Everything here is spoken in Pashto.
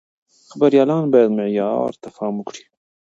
خبريالان بايد معيار ته پام وکړي.